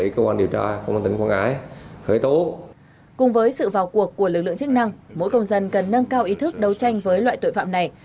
cùng với sự vào cuộc của lực lượng chức năng mỗi công dân cần nâng cao ý thức đấu tranh với loại tội phạm này